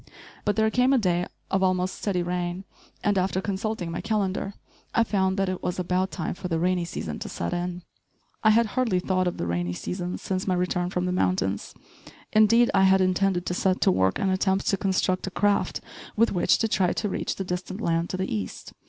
But there came a day of almost steady rain, and, after consulting my calendar, I found that it was about time for the rainy season to set in. I had hardly thought of the rainy season since my return from the mountains. Indeed, I had intended to set to work and attempt to construct a craft with which to try to reach the distant land to the east.